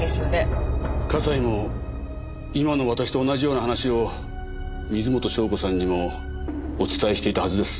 笠井も今の私と同じような話を水元湘子さんにもお伝えしていたはずです。